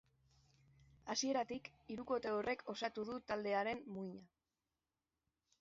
Hasieratik hirukote horrek osatu du taldearen muina.